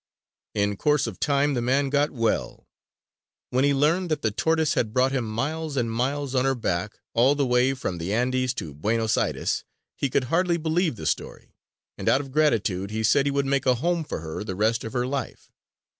In course of time, the man got well. When he learned that the tortoise had brought him miles and miles on her back, all the way from the Andes to Buenos Aires, he could hardly believe the story. And out of gratitude he said he would make a home for her the rest of her life.